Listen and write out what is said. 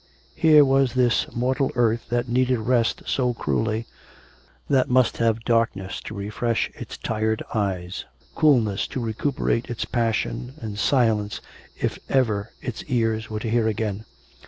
Here was this mortal earth that needed rest so cruelly — that must have darkness to refresh its tired eyes, coolness to recuperate its passion, and silence, if ever its ears were to hear again.